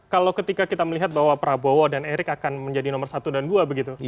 kalau ketika kita melihat bahwa prabowo dan erick akan menjadi nomor satu dan dua begitu